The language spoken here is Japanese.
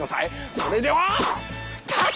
それではスタート！